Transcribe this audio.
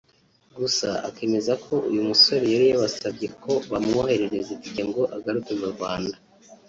gusa akemeza ko uyu musore yari yabasabye ko bamwoherereza itike ngo agaruke mu Rwanda